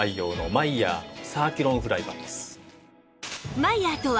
マイヤーとは